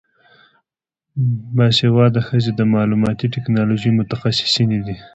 باسواده ښځې د معلوماتي ټیکنالوژۍ متخصصینې دي.